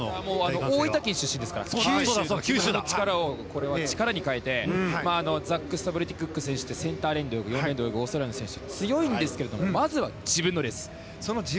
大分県出身ですから九州の力を変えてザック・スタブルティ・クック選手というセンターレーンで泳ぐオーストラリアの選手も強いんですがまずは自分のレース。